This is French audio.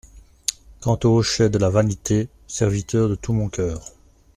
Quant aux hochets de la vanité, serviteur de tout mon coeur.